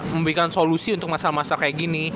memberikan solusi untuk masalah masalah kayak gini